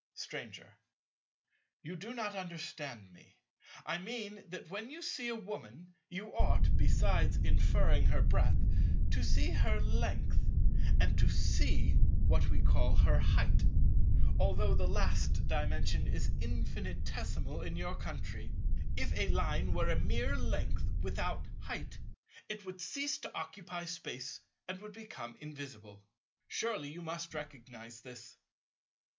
Stranger. You do not understand me. I mean that when you see a Woman, you ought—besides inferring her breadth—to see her length, and to see what we call her height; although the last Dimension is infinitesimal in your country. If a Line were mere length without "height," it would cease to occupy Space and would become invisible. Surely you must recognize this?